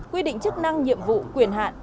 quy định chức năng nhiệm vụ quyền hạn